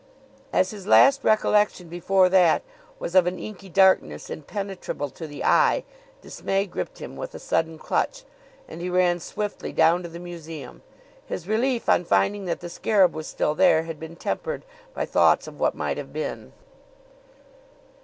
As his last recollection before that was of an inky darkness impenetrable to the eye, dismay gripped him with a sudden clutch and he ran swiftly down to the museum. His relief on finding that the scarab was still there had been tempered by thoughts of what might have been.